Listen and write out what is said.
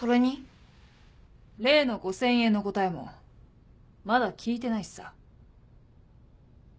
例の５０００円の答えもまだ聞いてないしさ。